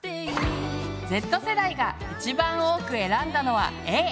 Ｚ世代が一番多く選んだのはＡ。